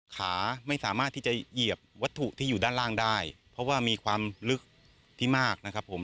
ขาไม่สามารถที่จะเหยียบวัตถุที่อยู่ด้านล่างได้เพราะว่ามีความลึกที่มากนะครับผม